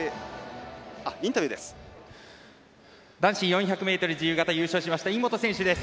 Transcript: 男子４００ｍ自由形、優勝しました井本選手です。